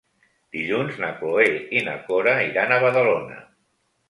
Dilluns na Cloè i na Cora iran a Badalona.